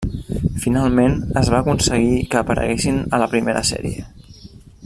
Finalment es va aconseguir que apareguessin a la primera sèrie.